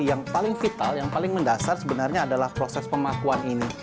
yang paling vital yang paling mendasar sebenarnya adalah proses pemakuan ini